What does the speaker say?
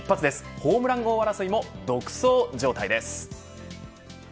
ホームラン王争いも独走状態です。